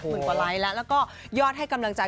หมื่นกว่าไลค์แล้วแล้วก็ยอดให้กำลังใจ